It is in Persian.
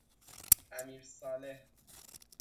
امیرصالح